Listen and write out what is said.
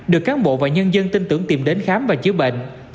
được cán bộ và nhân dân tin tưởng tìm đến khám và chữa bệnh